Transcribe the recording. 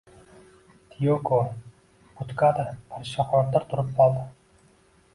Tiyoko budkada parishonxotir turib qoldi